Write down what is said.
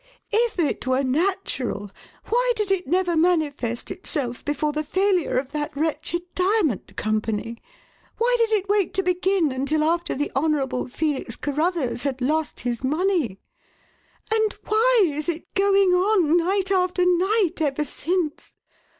If it were natural, why did it never manifest itself before the failure of that wretched diamond company? Why did it wait to begin until after the Honourable Felix Carruthers had lost his money? And why is it going on, night after night, ever since?